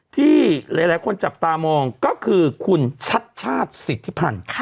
ที่หลายคนจับตามองก็คือคุณชัดชาติสิทธิพันธ์